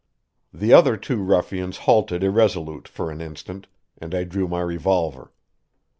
The other two ruffians halted irresolute for an instant, and I drew my revolver.